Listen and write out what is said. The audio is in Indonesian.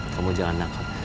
kamu jangan nakal